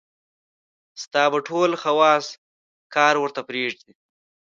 ستا به ټول حواص کار ورته پرېږدي.